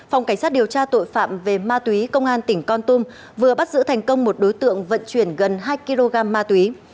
phòng cảnh sát điều tra tội phạm về ma túy công an tỉnh con tum vừa bắt giữ thành công một đối tượng vận chuyển gần hai kg ma túy